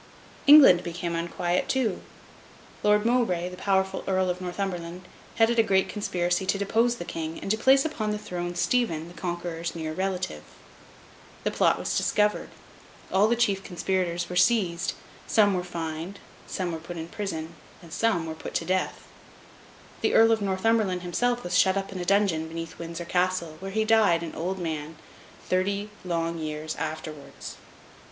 England became unquiet too. Lord Mowbray, the powerful Earl of Northumberland, headed a great conspiracy to depose the King, and to place upon the throne, Stephen, the Conqueror's near relative. The plot was discovered; all the chief conspirators were seized; some were fined, some were put in prison, some were put to death. The Earl of Northumberland himself was shut up in a dungeon beneath Windsor Castle, where he died, an old man, thirty long years afterwards.